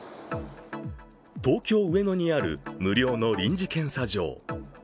東京・上野にある無料の臨時検査場。